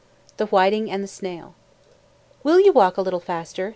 THE WHITING AND THE SNAIL "Will you walk a little faster?"